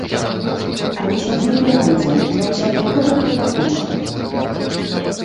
Але сядзець не будзе, ва ўсякім выпадку, пакуль што.